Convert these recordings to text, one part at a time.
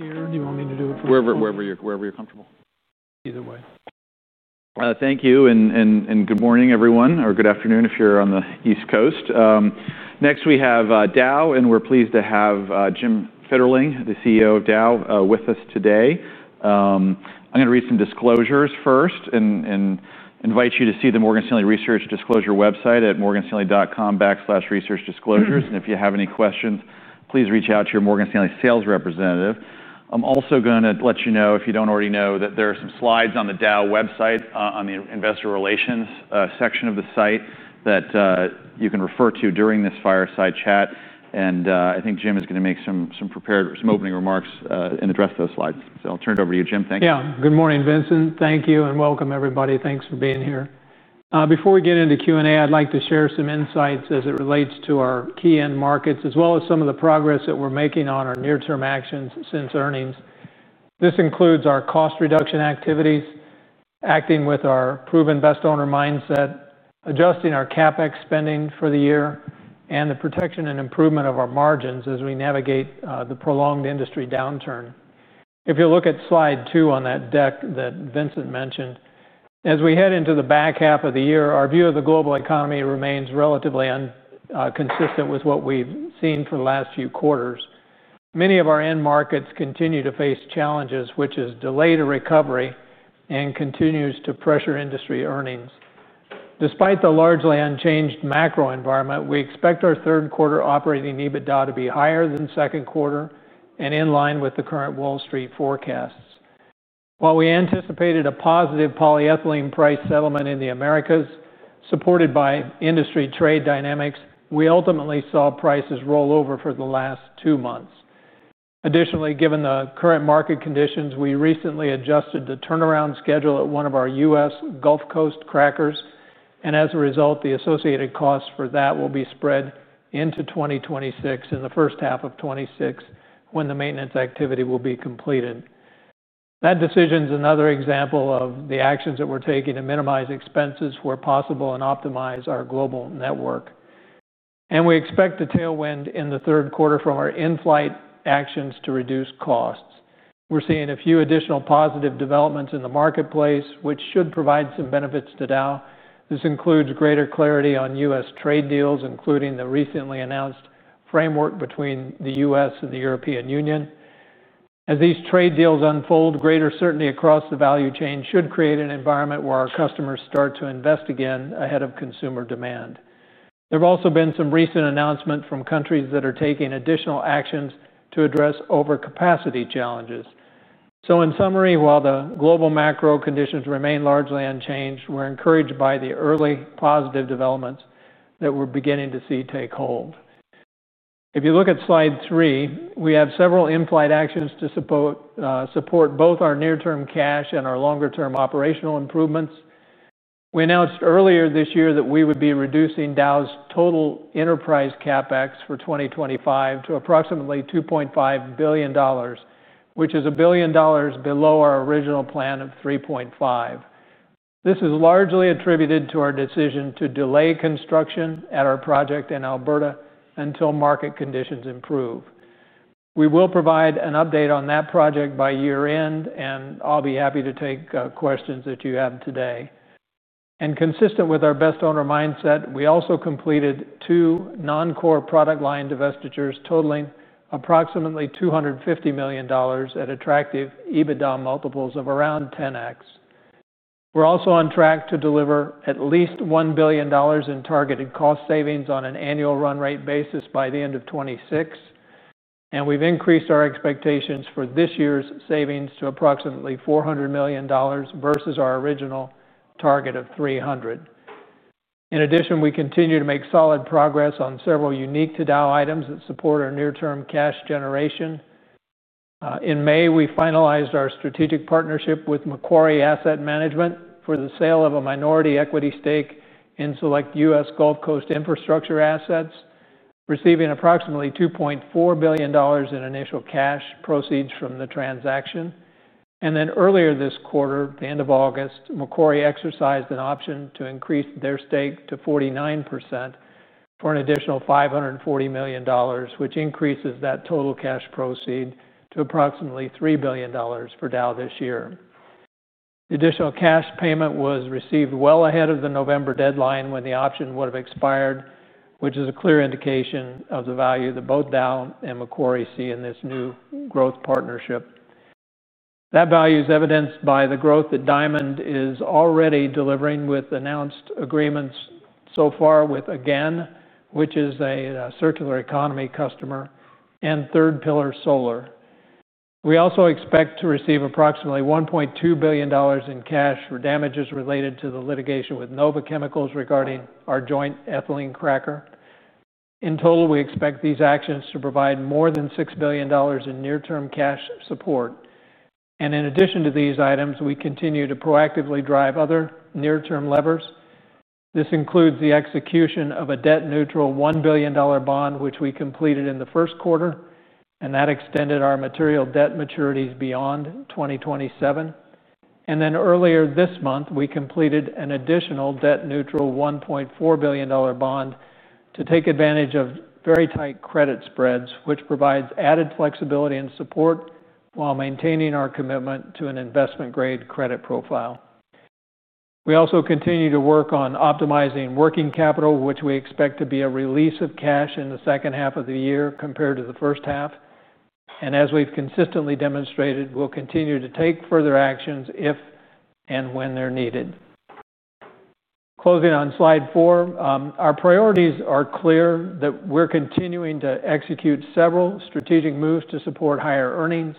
Do you want me to do it from here? Wherever you're comfortable. Either way. Thank you, and good morning, everyone, or good afternoon if you're on the East Coast. Next, we have Dow, and we're pleased to have Jim Fitterling, the CEO of Dow, with us today. I'm going to read some disclosures first and invite you to see the Morgan Stanley Research Disclosure website at morganstanley.com/researchdisclosures. If you have any questions, please reach out to your Morgan Stanley sales representative. I'm also going to let you know, if you don't already know, that there are some slides on the Dow website in the investor relations section of the site that you can refer to during this fireside chat. I think Jim is going to make some prepared opening remarks and address those slides. I'll turn it over to you, Jim. Thank you. Yeah, good morning, Vincent. Thank you, and welcome, everybody. Thanks for being here. Before we get into Q&A, I'd like to share some insights as it relates to our key end-markets, as well as some of the progress that we're making on our near-term actions since earnings. This includes our cost reduction activities, acting with our proven best owner mindset, adjusting our CapEx spending for the year, and the protection and improvement of our margins as we navigate the prolonged industry downturn. If you look at slide two on that deck that Vincent mentioned, as we head into the back half of the year, our view of the global economy remains relatively consistent with what we've seen for the last few quarters. Many of our end-markets continue to face challenges, which has delayed a recovery and continues to pressure industry earnings. Despite the largely unchanged macro environment, we expect our third quarter operating EBITDA to be higher than the second quarter and in line with the current Wall Street forecasts. While we anticipated a positive polyethylene price settlement in the Americas, supported by industry trade dynamics, we ultimately saw prices roll over for the last two months. Additionally, given the current market conditions, we recently adjusted the turnaround schedule at one of our US Gulf Coast crackers, and as a result, the associated costs for that will be spread into 2026, in the first half of 2026, when the maintenance activity will be completed. That decision is another example of the actions that we're taking to minimize expenses where possible and optimize our global network. We expect a tailwind in the third quarter from our in-flight actions to reduce costs. We're seeing a few additional positive developments in the marketplace, which should provide some benefits to Dow. This includes greater clarity on US trade deals, including the recently announced framework between the US and the European Union. As these trade deals unfold, greater certainty across the value chain should create an environment where our customers start to invest again ahead of consumer demand. There have also been some recent announcements from countries that are taking additional actions to address overcapacity challenges. In summary, while the global macro conditions remain largely unchanged, we're encouraged by the early positive developments that we're beginning to see take hold. If you look at slide three, we have several in-flight actions to support both our near-term cash and our longer-term operational improvements. We announced earlier this year that we would be reducing Dow's total enterprise CapEx for 2025 to approximately $2.5 billion, which is $1 billion below our original plan of $3.5 billion. This is largely attributed to our decision to delay construction at our project in Alberta until market conditions improve. We will provide an update on that project by year-end, and I'll be happy to take questions that you have today. Consistent with our best owner mindset, we also completed two non-core product line divestitures totaling approximately $250 million at attractive EBITDA multiples of around 10x. We're also on track to deliver at least $1 billion in targeted cost savings on an annual run-rate basis by the end of 2026, and we've increased our expectations for this year's savings to approximately $400 million versus our original target of $300 million. In addition, we continue to make solid progress on several unique to Dow items that support our near-term cash generation. In May, we finalized our strategic partnership with Macquarie Asset Management for the sale of a minority equity stake in select US Gulf Coast infrastructure assets, receiving approximately $2.4 billion in initial cash proceeds from the transaction. Earlier this quarter, at the end of August, Macquarie exercised an option to increase their stake to 49% for an additional $540 million, which increases that total cash proceed to approximately $3 billion for Dow this year. The additional cash payment was received well ahead of the November deadline when the option would have expired, which is a clear indication of the value that both Dow and Macquarie see in this new growth partnership. That value is evidenced by the growth that Diamond is already delivering with announced agreements so far with AGAN, which is a circular economy customer, and Third Pillar Solar. We also expect to receive approximately $1.2 billion in cash for damages related to the litigation with Nova Chemicals regarding our joint ethylene cracker. In total, we expect these actions to provide more than $6 billion in near-term cash support. In addition to these items, we continue to proactively drive other near-term levers. This includes the execution of a debt-neutral $1 billion bond, which we completed in the first quarter, and that extended our material debt maturities beyond 2027. Earlier this month, we completed an additional debt-neutral $1.4 billion bond to take advantage of very tight credit spreads, which provides added flexibility and support while maintaining our commitment to an investment-grade credit profile. We also continue to work on optimizing working capital, which we expect to be a release of cash in the second half of the year compared to the first half. As we've consistently demonstrated, we'll continue to take further actions if and when they're needed. Closing on slide four, our priorities are clear that we're continuing to execute several strategic moves to support higher earnings,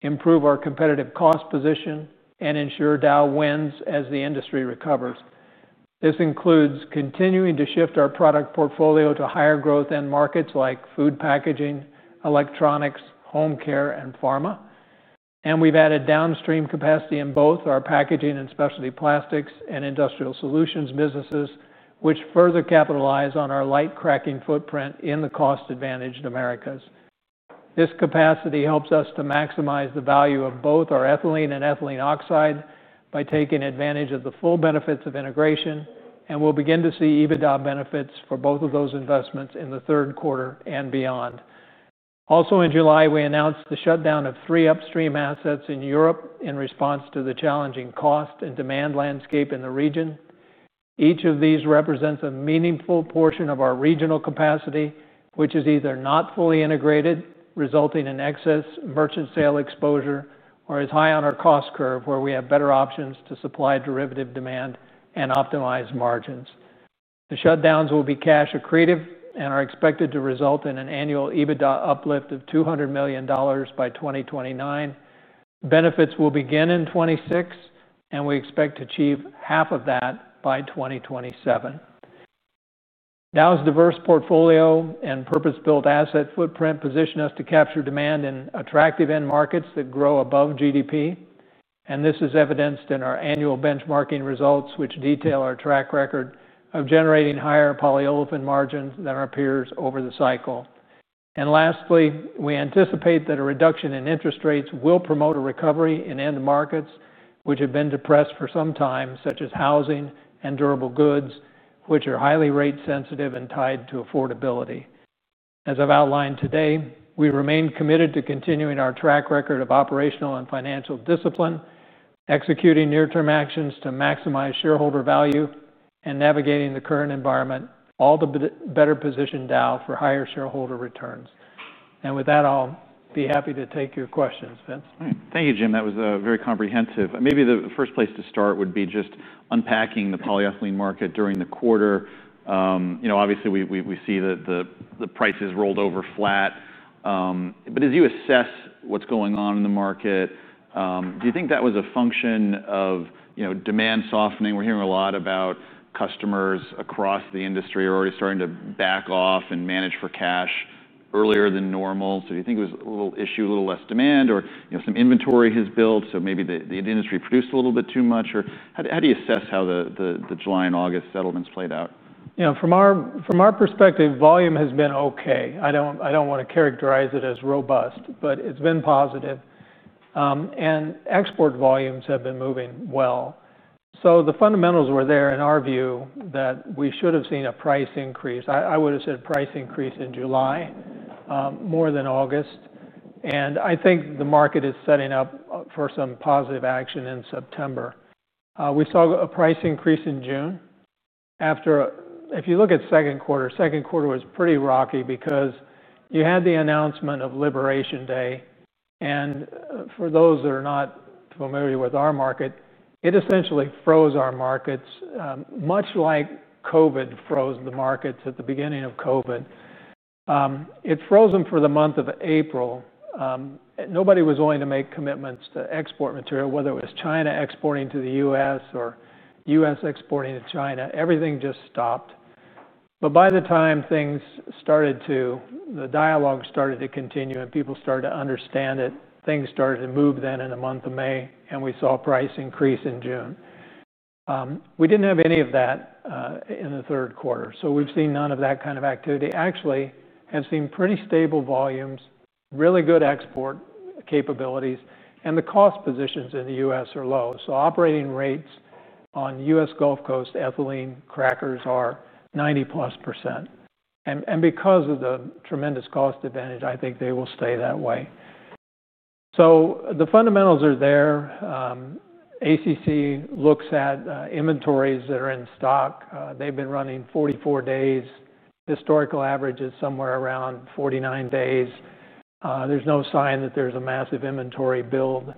improve our competitive cost position, and ensure Dow wins as the industry recovers. This includes continuing to shift our product portfolio to higher growth end markets like food packaging, electronics, home care, and pharma. We've added downstream capacity in both our packaging and specialty plastics and industrial solutions businesses, which further capitalize on our light cracking footprint in the cost-advantaged Americas. This capacity helps us to maximize the value of both our ethylene and ethylene oxide by taking advantage of the full benefits of integration, and we'll begin to see EBITDA benefits for both of those investments in the third quarter and beyond. Also, in July, we announced the shutdown of three upstream assets in Europe in response to the challenging cost and demand landscape in the region. Each of these represents a meaningful portion of our regional capacity, which is either not fully integrated, resulting in excess merchant sale exposure, or is high on our cost curve where we have better options to supply derivative demand and optimize margins. The shutdowns will be cash accretive and are expected to result in an annual EBITDA uplift of $200 million by 2029. Benefits will begin in 2026, and we expect to achieve half of that by 2027. Dow's diverse portfolio and purpose-built asset footprint position us to capture demand in attractive end markets that grow above GDP. This is evidenced in our annual benchmarking results, which detail our track record of generating higher polyolefin margins than our peers over the cycle. Lastly, we anticipate that a reduction in interest rates will promote a recovery in end markets which have been depressed for some time, such as housing and durable goods, which are highly rate sensitive and tied to affordability. As I've outlined today, we remain committed to continuing our track record of operational and financial discipline, executing near-term actions to maximize shareholder value, and navigating the current environment all to better position Dow for higher shareholder returns. With that, I'll be happy to take your questions, Vincent. Thank you, Jim. That was very comprehensive. Maybe the first place to start would be just unpacking the polyethylene market during the quarter. Obviously, we see that the prices rolled over flat. As you assess what's going on in the market, do you think that was a function of demand softening? We're hearing a lot about customers across the industry already starting to back off and manage for cash earlier than normal. Do you think it was a little issue, a little less demand, or some inventory has built so maybe the industry produced a little bit too much? How do you assess how the July and August settlements played out? You know, from our perspective, volume has been okay. I don't want to characterize it as robust, but it's been positive. Export volumes have been moving well. The fundamentals were there in our view that we should have seen a price increase. I would have said a price increase in July more than August. I think the market is setting up for some positive action in September. We saw a price increase in June. If you look at the second quarter, the second quarter was pretty rocky because you had the announcement of Liberation Day. For those that are not familiar with our market, it essentially froze our markets, much like COVID froze the markets at the beginning of COVID. It froze them for the month of April. Nobody was willing to make commitments to export material, whether it was China exporting to the U.S. or U.S. exporting to China. Everything just stopped. By the time things started to, the dialogue started to continue and people started to understand it, things started to move then in the month of May, and we saw a price increase in June. We didn't have any of that in the third quarter. We've seen none of that kind of activity. Actually, I've seen pretty stable volumes, really good export capabilities, and the cost positions in the U.S. are low. Operating rates on U.S. Gulf Coast ethylene crackers are 90+%. Because of the tremendous cost advantage, I think they will stay that way. The fundamentals are there. ACC looks at inventories that are in stock. They've been running 44 days. Historical average is somewhere around 49 days. There's no sign that there's a massive inventory build.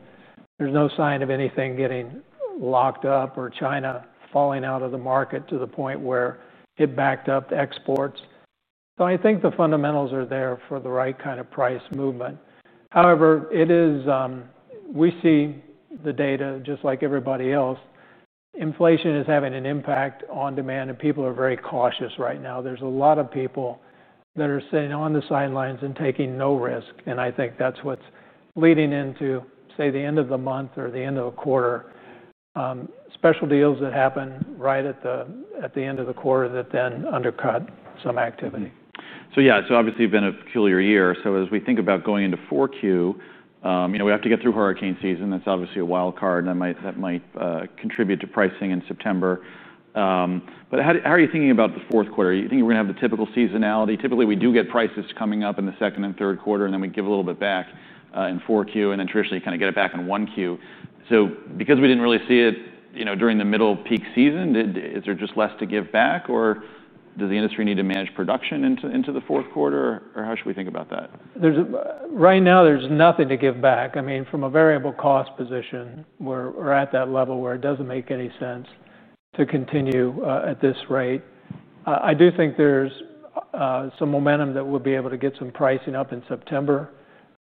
There's no sign of anything getting locked up or China falling out of the market to the point where it backed up exports. I think the fundamentals are there for the right kind of price movement. However, we see the data just like everybody else. Inflation is having an impact on demand, and people are very cautious right now. There's a lot of people that are sitting on the sidelines and taking no risk. I think that's what's leading into, say, the end of the month or the end of the quarter, special deals that happen right at the end of the quarter that then undercut some activity. Obviously, it's been a peculiar year. As we think about going into Q4, we have to get through hurricane season. That's obviously a wild card that might contribute to pricing in September. How are you thinking about the fourth quarter? Are you thinking we're going to have the typical seasonality? Typically, we do get prices coming up in the second and third quarter, and then we give a little bit back in Q4, and then traditionally kind of get it back in Q1. Because we didn't really see it during the middle peak season, is there just less to give back, or does the industry need to manage production into the fourth quarter, or how should we think about that? Right now, there's nothing to give back. I mean, from a variable cost position, we're at that level where it doesn't make any sense to continue at this rate. I do think there's some momentum that we'll be able to get some pricing up in September,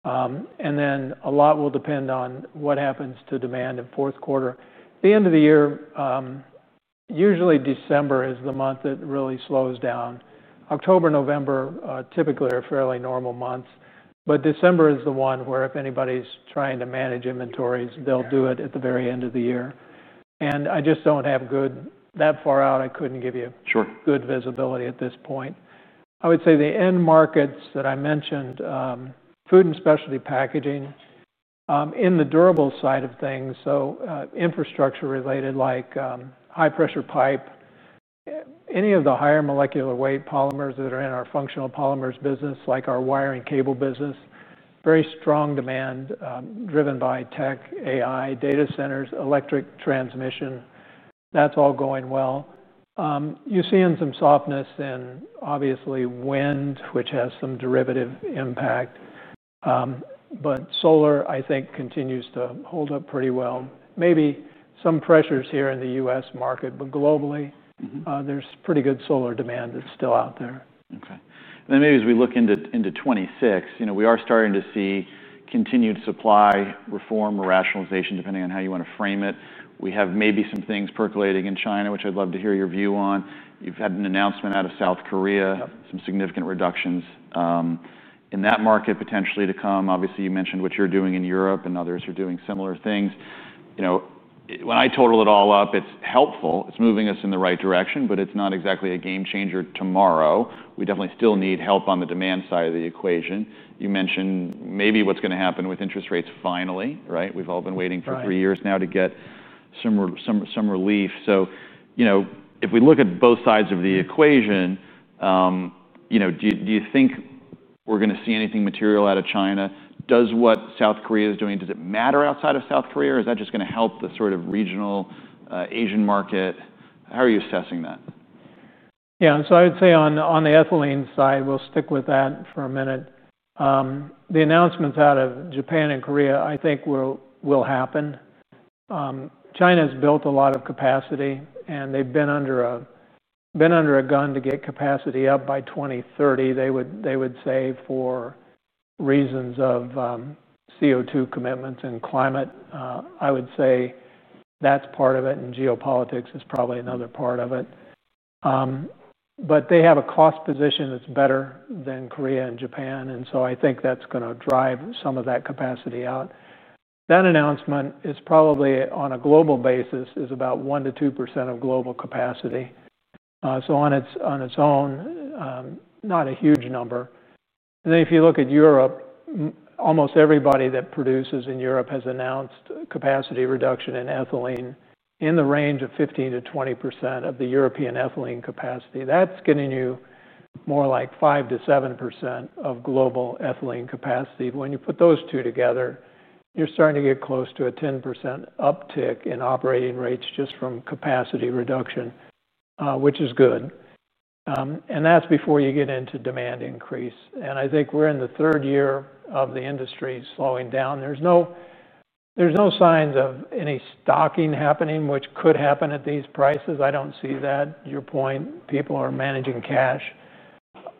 and then a lot will depend on what happens to demand in the fourth quarter. At the end of the year, usually December is the month that really slows down. October and November typically are fairly normal months, but December is the one where if anybody's trying to manage inventories, they'll do it at the very end of the year. I just don't have good, that far out, I couldn't give you good visibility at this point. I would say the end markets that I mentioned, food and specialty packaging, in the durable side of things, so infrastructure related like high-pressure pipe, any of the higher molecular weight polymers that are in our functional polymers business, like our wiring cable business, very strong demand driven by tech, AI, data centers, electric transmission. That's all going well. You're seeing some softness in obviously wind, which has some derivative impact, but solar, I think, continues to hold up pretty well. Maybe some pressures here in the U.S. market, but globally, there's pretty good solar demand that's still out there. Okay. Maybe as we look into Q2 2026, we are starting to see continued supply reform or rationalization, depending on how you want to frame it. We have maybe some things percolating in China, which I'd love to hear your view on. You've had an announcement out of South Korea, some significant reductions in that market potentially to come. Obviously, you mentioned what you're doing in Europe and others are doing similar things. When I total it all up, it's helpful. It's moving us in the right direction, but it's not exactly a game changer tomorrow. We definitely still need help on the demand side of the equation. You mentioned maybe what's going to happen with interest rates finally, right? We've all been waiting for three years now to get some relief. If we look at both sides of the equation, do you think we're going to see anything material out of China? Does what South Korea is doing, does it matter outside of South Korea, or is that just going to help the sort of regional Asian market? How are you assessing that? Yeah, I would say on the ethylene side, we'll stick with that for a minute. The announcements out of Japan and South Korea, I think, will happen. China's built a lot of capacity, and they've been under a gun to get capacity up by 2030, they would say, for reasons of CO2 commitments and climate. I would say that's part of it, and geopolitics is probably another part of it. They have a cost position that's better than South Korea and Japan, and I think that's going to drive some of that capacity out. That announcement is probably, on a global basis, about 1 to 2% of global capacity. On its own, not a huge number. If you look at Europe, almost everybody that produces in Europe has announced capacity reduction in ethylene in the range of 15 to 20% of the European ethylene capacity. That's getting you more like 5 to 7% of global ethylene capacity. When you put those two together, you're starting to get close to a 10% uptick in operating rates just from capacity reduction, which is good. That's before you get into demand increase. I think we're in the third year of the industry slowing down. There's no signs of any stocking happening, which could happen at these prices. I don't see that. To your point, people are managing cash.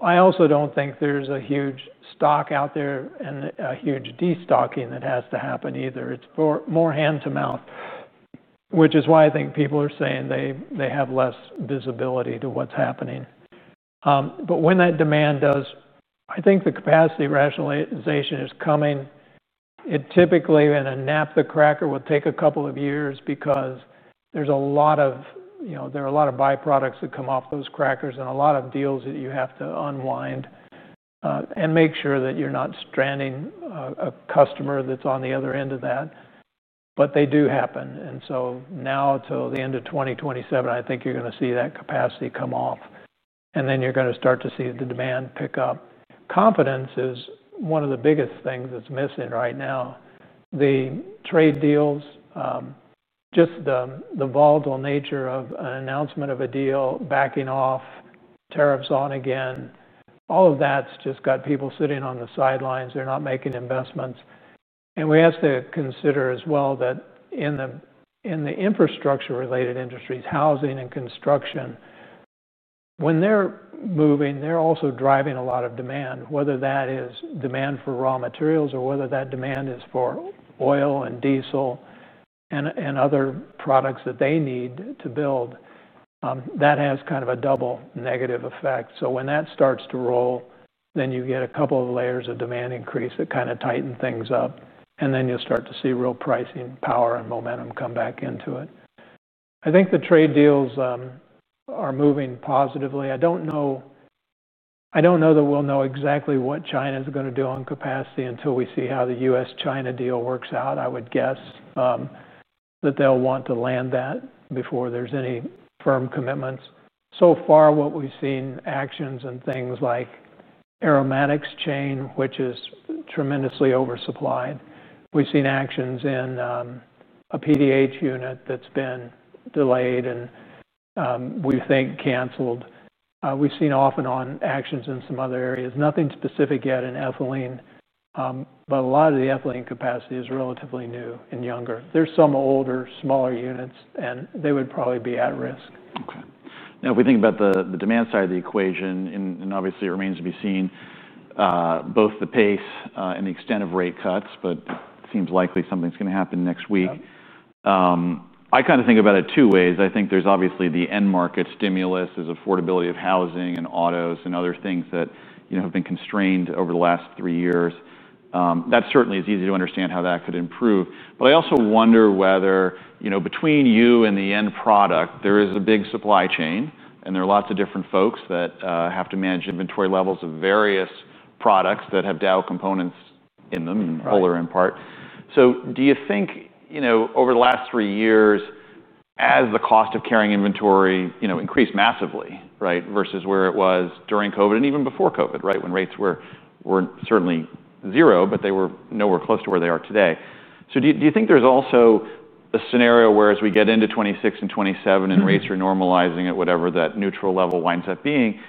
I also don't think there's a huge stock out there and a huge destocking that has to happen either. It's more hand-to-mouth, which is why I think people are saying they have less visibility to what's happening. When that demand does, I think the capacity rationalization is coming. It typically, in a naphtha cracker, will take a couple of years because there are a lot of byproducts that come off those crackers and a lot of deals that you have to unwind and make sure that you're not stranding a customer that's on the other end of that. They do happen. From now till the end of 2027, I think you're going to see that capacity come off, and then you're going to start to see the demand pick up. Confidence is one of the biggest things that's missing right now. The trade deals, just the volatile nature of an announcement of a deal, backing off, tariffs on again, all of that's just got people sitting on the sidelines. They're not making investments. We have to consider as well that in the infrastructure-related industries, housing and construction, when they're moving, they're also driving a lot of demand, whether that is demand for raw materials or whether that demand is for oil and diesel and other products that they need to build. That has kind of a double negative effect. When that starts to roll, you get a couple of layers of demand increase that kind of tighten things up, and you'll start to see real pricing power and momentum come back into it. I think the trade deals are moving positively. I don't know that we'll know exactly what China is going to do on capacity until we see how the U.S.-China deal works out. I would guess that they'll want to land that before there's any firm commitments. So far, what we've seen are actions in things like the aromatics chain, which is tremendously oversupplied. We've seen actions in a PDH unit that's been delayed and we think canceled. We've seen off and on actions in some other areas, nothing specific yet in ethylene, but a lot of the ethylene capacity is relatively new and younger. There's some older, smaller units, and they would probably be at risk. Okay. Now, if we think about the demand side of the equation, it remains to be seen both the pace and the extent of rate cuts, but it seems likely something is going to happen next week. I kind of think about it two ways. I think there is obviously the end-market stimulus, there is affordability of housing and autos and other things that have been constrained over the last three years. That certainly is easy to understand how that could improve. I also wonder whether, between you and the end product, there is a big supply chain, and there are lots of different folks that have to manage inventory levels of various products that have Dow components in them and polar in part. Do you think, over the last three years, as the cost of carrying inventory increased massively, versus where it was during COVID and even before COVID, when rates were certainly zero, but they were nowhere close to where they are today? Do you think there is also a scenario where, as we get into 2026 and 2027 and rates are normalizing at whatever that neutral level winds up being,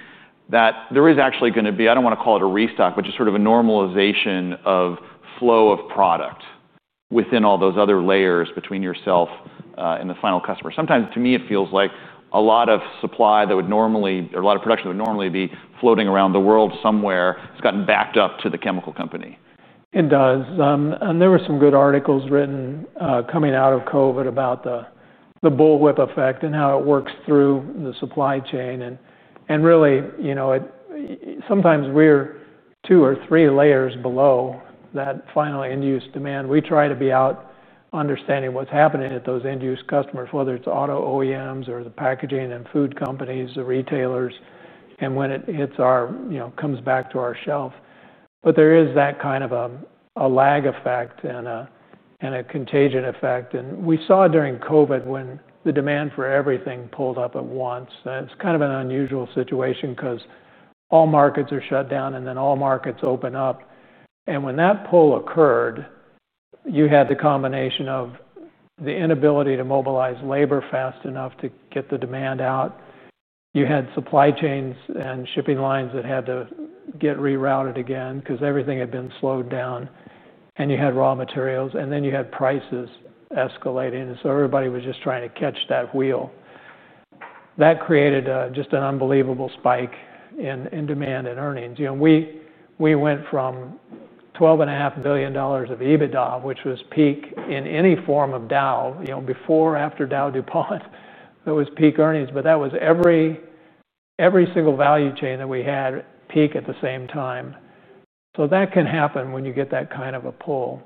that there is actually going to be, I do not want to call it a restock, but just sort of a normalization of flow of product within all those other layers between yourself and the final customer? Sometimes, it feels like a lot of supply that would normally, or a lot of production that would normally be floating around the world somewhere, has gotten backed up to the chemical company. It does. There were some good articles written coming out of COVID about the bullwhip effect and how it works through the supply chain. Sometimes we're two or three layers below that final end-use demand. We try to be out understanding what's happening at those end-use customers, whether it's auto OEMs or the packaging and food companies, the retailers, and when it comes back to our shelf. There is that kind of a lag effect and a contagion effect. We saw during COVID when the demand for everything pulled up at once. It's kind of an unusual situation because all markets are shut down and then all markets open up. When that pull occurred, you had the combination of the inability to mobilize labor fast enough to get the demand out. You had supply chains and shipping lines that had to get rerouted again because everything had been slowed down. You had raw materials, and then you had prices escalating. Everybody was just trying to catch that wheel. That created just an unbelievable spike in demand and earnings. We went from $12.5 billion of EBITDA, which was peak in any form of Dow, before or after Dow DuPont, that was peak earnings. That was every single value chain that we had peak at the same time. That can happen when you get that kind of a pull.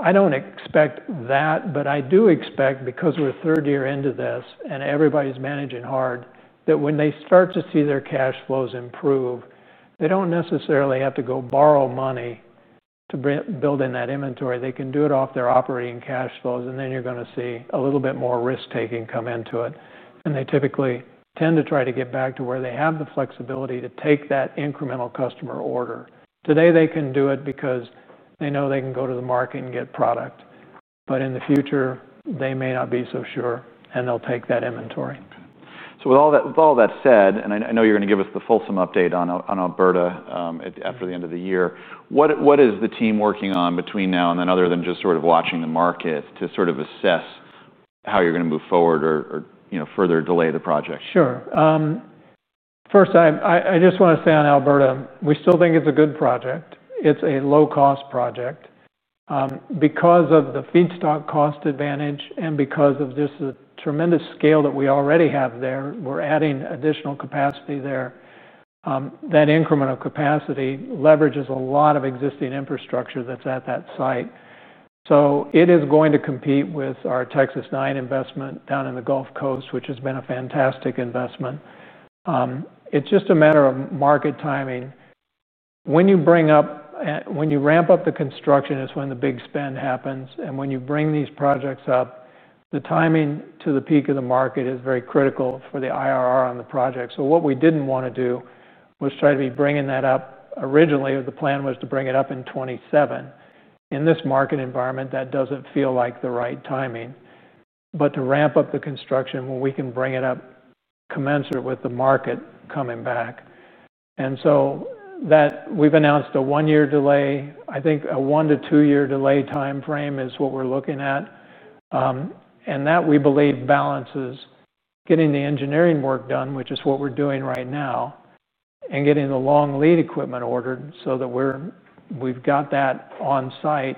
I don't expect that, but I do expect because we're a third year into this and everybody's managing hard, that when they start to see their cash flows improve, they don't necessarily have to go borrow money to build in that inventory. They can do it off their operating cash flows, and then you're going to see a little bit more risk-taking come into it. They typically tend to try to get back to where they have the flexibility to take that incremental customer order. Today, they can do it because they know they can go to the market and get product. In the future, they may not be so sure, and they'll take that inventory. With all that said, and I know you're going to give us the fulsome update on Alberta after the end of the year, what is the team working on between now and then, other than just sort of watching the market to sort of assess how you're going to move forward or further delay the project? Sure. First, I just want to say on Alberta, we still think it's a good project. It's a low-cost project. Because of the feedstock cost advantage and because of just the tremendous scale that we already have there, we're adding additional capacity there. That incremental capacity leverages a lot of existing infrastructure that's at that site. It is going to compete with our Texas 9 investment down in the US Gulf Coast, which has been a fantastic investment. It's just a matter of market timing. When you ramp up the construction, it's when the big spend happens. When you bring these projects up, the timing to the peak of the market is very critical for the IRR on the project. What we didn't want to do was try to be bringing that up originally. The plan was to bring it up in 2027. In this market environment, that doesn't feel like the right timing. To ramp up the construction, we can bring it up commensurate with the market coming back. We have announced a one-year delay. I think a one to two-year delay timeframe is what we're looking at. We believe that balances getting the engineering work done, which is what we're doing right now, and getting the long lead equipment ordered so that we've got that on site,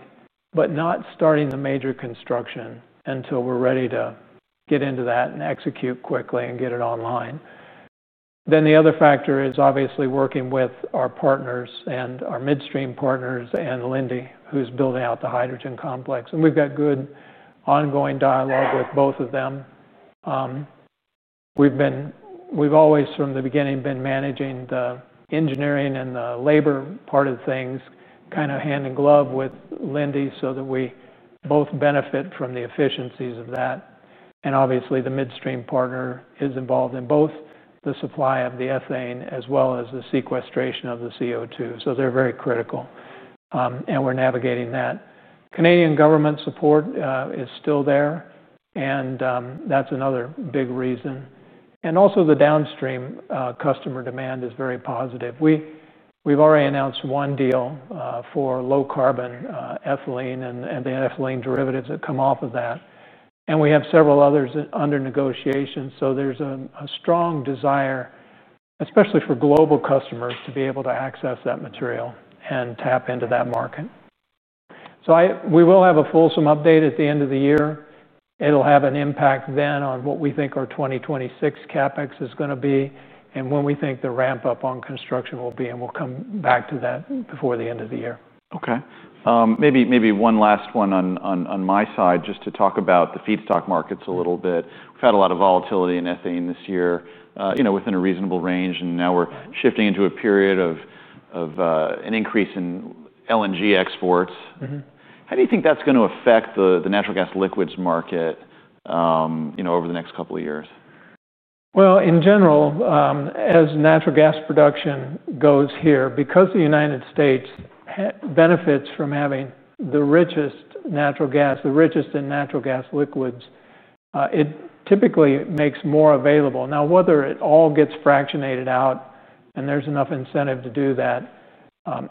but not starting the major construction until we're ready to get into that and execute quickly and get it online. The other factor is obviously working with our partners and our midstream partners and Linde, who's building out the hydrogen complex. We've got good ongoing dialogue with both of them. We've always, from the beginning, been managing the engineering and the labor part of things, kind of hand in glove with Linde so that we both benefit from the efficiencies of that. The midstream partner is involved in both the supply of the ethane as well as the sequestration of the CO2. They're very critical, and we're navigating that. Canadian government support is still there, and that's another big reason. Also, the downstream customer demand is very positive. We've already announced one deal for low carbon ethylene and the ethylene derivatives that come off of that, and we have several others under negotiation. There's a strong desire, especially for global customers, to be able to access that material and tap into that market. We will have a fulsome update at the end of the year. It'll have an impact then on what we think our 2026 CapEx is going to be and when we think the ramp-up on construction will be. We'll come back to that before the end of the year. Okay. Maybe one last one on my side, just to talk about the feedstock markets a little bit. We've had a lot of volatility in ethane this year, you know, within a reasonable range. Now we're shifting into a period of an increase in LNG exports. How do you think that's going to affect the natural gas liquids market, you know, over the next couple of years? In general, as natural gas production goes here, because the United States benefits from having the richest natural gas, the richest in natural gas liquids, it typically makes more available. Whether it all gets fractionated out and there's enough incentive to do that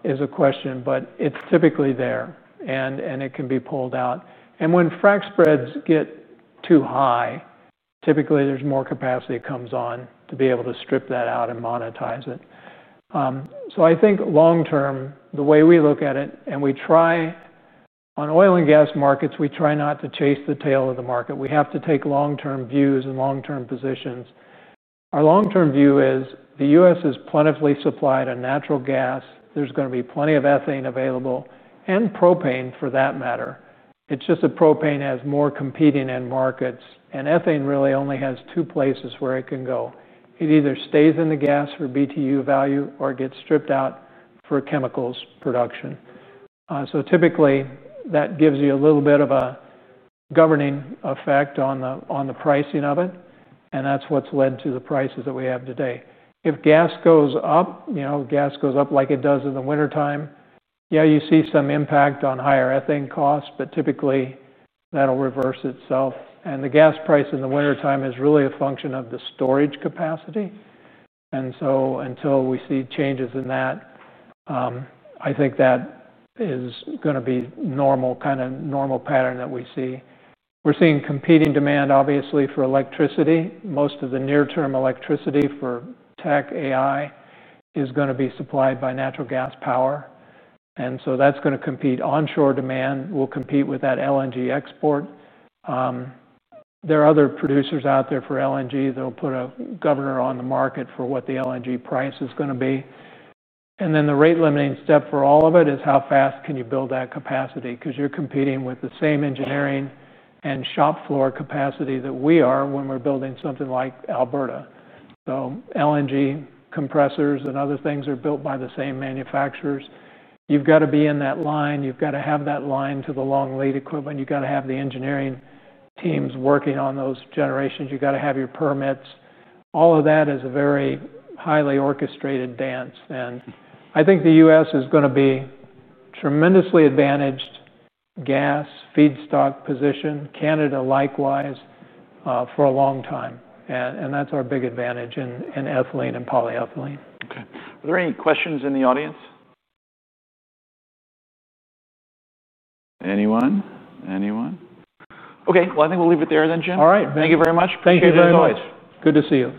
is a question, but it's typically there and it can be pulled out. When frac spreads get too high, typically there's more capacity that comes on to be able to strip that out and monetize it. I think long term, the way we look at it, and we try on oil and gas markets, we try not to chase the tail of the market. We have to take long-term views and long-term positions. Our long-term view is the U.S. is plentifully supplied on natural gas. There's going to be plenty of ethane available and propane for that matter. It's just that propane has more competing end markets, and ethane really only has two places where it can go. It either stays in the gas for BTU value or gets stripped out for chemicals production. Typically, that gives you a little bit of a governing effect on the pricing of it. That's what's led to the prices that we have today. If gas goes up, you know, gas goes up like it does in the wintertime, you see some impact on higher ethane costs, but typically that'll reverse itself. The gas price in the wintertime is really a function of the storage capacity. Until we see changes in that, I think that is going to be a normal kind of normal pattern that we see. We're seeing competing demand, obviously, for electricity. Most of the near-term electricity for tech, AI is going to be supplied by natural gas power, and that's going to compete. Onshore demand will compete with that LNG export. There are other producers out there for LNG that'll put a governor on the market for what the LNG price is going to be. The rate limiting step for all of it is how fast can you build that capacity because you're competing with the same engineering and shop floor capacity that we are when we're building something like Alberta. LNG compressors and other things are built by the same manufacturers. You've got to be in that line. You've got to have that line to the long lead equipment. You've got to have the engineering teams working on those generations. You've got to have your permits. All of that is a very highly orchestrated dance. I think the U.S. is going to be tremendously advantaged gas feedstock position, Canada likewise, for a long time. That's our big advantage in ethylene and polyethylene. Okay, are there any questions in the audience? Anyone? Anyone? Okay. I think we'll leave it there then, Jim. All right. Thank you very much. Thank you very much. Thank you. Good to see you.